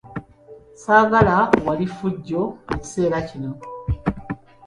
Saagala wali ffujjo mu kiseera kino.